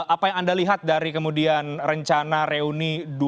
apa yang anda lihat dari kemudian rencana reuni dua ratus dua belas ini